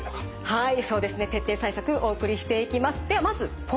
はい。